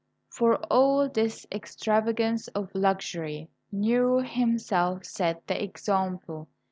For all this extravagance of luxury Nero himself set the example.